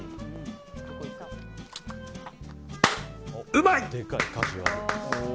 うまい！